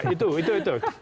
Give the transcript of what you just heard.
itu itu itu